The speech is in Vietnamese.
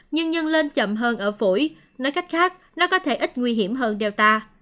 nhưng nhân lên chậm hơn ở phủi nói cách khác nó có thể ít nguy hiểm hơn delta